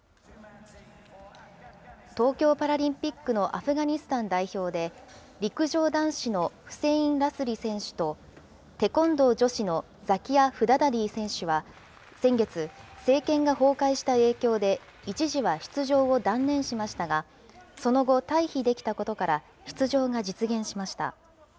東京パラリンピックのアフガニスタン代表で、陸上男子のフセイン・ラスリ選手と、テコンドー女子のザキア・フダダディ選手は先月、政権が崩壊した影響で、一時は出場を断念しましたが、その後、退避できたことから、出場が実現しました。